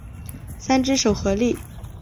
三只手合力。